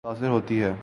متاثر ہوتی ہے۔